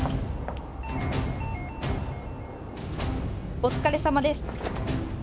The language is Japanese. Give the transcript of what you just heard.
お疲れさまです。